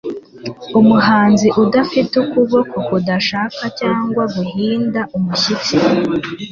Umuhanzi udafite ukuboko kudashaka cyangwa guhinda umushyitsi